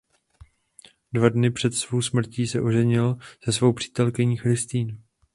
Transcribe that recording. Dva dny před svou smrtí se oženil se svou přítelkyní Christine.